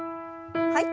はい。